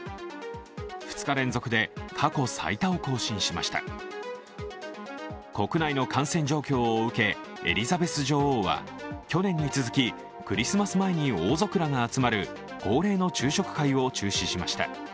２日連続で過去最多を更新しました国内の感染状況を受け、エリザベス女王は去年に続きクリスマス前に王族らが集まる恒例の昼食会を中止しました。